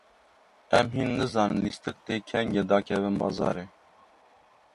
Em hîn nizanin lîstik dê kengê dakevin bazarê.